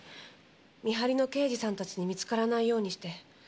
見張りの刑事さんたちに見つからないようにして。